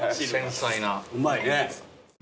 うまいね。